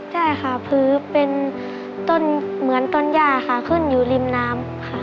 ใช่ค่ะพื้นเป็นต้นเหมือนต้นย่าค่ะขึ้นอยู่ริมน้ำค่ะ